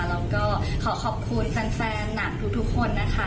แล้วก็ขอขอบคุณแฟนหนังทุกคนนะคะ